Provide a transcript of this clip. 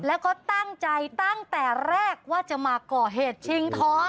แล้วก็ตั้งใจตั้งแต่แรกว่าจะมาก่อเหตุชิงท้อง